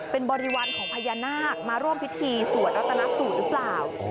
เป็นบริวารของพญานาคมาร่วมพิธีสวดรัตนสูตรหรือเปล่า